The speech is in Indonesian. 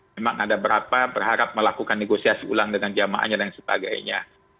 memang ada berapa berharap melakukan negosiasi ulang dengan jamaahnya dan sebagainya